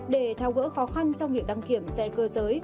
để thao gỡ khó khăn trong việc đăng kiểm xe cơ giới